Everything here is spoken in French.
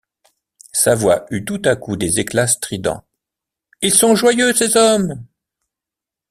Sa voix eut tout à coup des éclats stridents: — Ils sont joyeux, ces hommes!